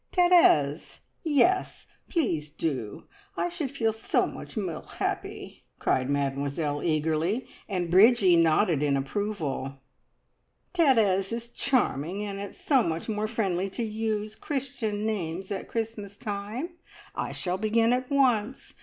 "Therese! Yes, please do! I should feel so much more happy!" cried Mademoiselle eagerly, and Bridgie nodded in approval. "Therese is charming, and it's so much more friendly to use Christian names at Christmas time. I shall begin at once.